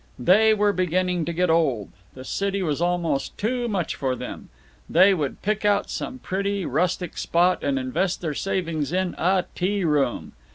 They were beginning to get old; the city was almost too much for them. They would pick out some pretty, rustic spot and invest their savings in a tea room.